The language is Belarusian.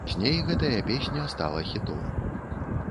Пазней гэтая песня стала хітом.